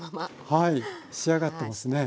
はい仕上がってますね。